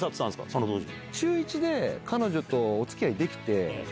その当時。